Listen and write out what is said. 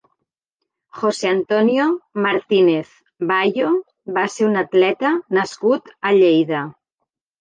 José Antonio Martínez Bayo va ser un atleta nascut a Lleida.